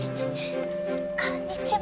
「こんにちは」